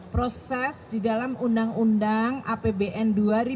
proses di dalam undang undang apbn dua ribu dua puluh